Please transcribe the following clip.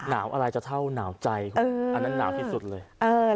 หนาวอะไรจะเท่าหนาวใจอันนั้นหนาวที่สุดเลย